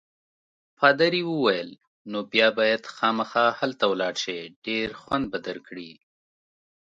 پادري وویل: نو بیا باید خامخا هلته ولاړ شې، ډېر خوند به درکړي.